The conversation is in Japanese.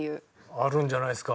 あるんじゃないですか？